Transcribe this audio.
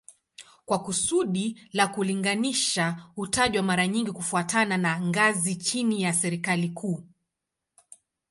Kwa kusudi la kulinganisha hutajwa mara nyingi kufuatana na ngazi chini ya serikali kuu